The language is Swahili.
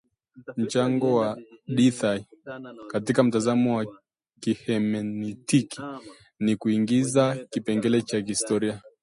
Mchango wa Dilthey katika mtazamo wa kihemenitiki ni kuingiza kipengele cha kihistoria